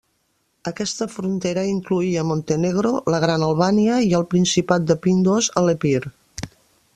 Aquesta frontera incloïa Montenegro, la Gran Albània i el principat de Pindos, a l'Epir.